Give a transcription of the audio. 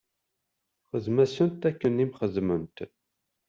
Xdem-asent akken i m-xedment.